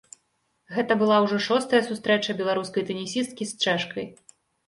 Гэта была ўжо шостая сустрэча беларускай тэнісісткі з чэшкай.